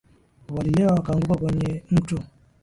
Walilewa wakaanguka kwenye mto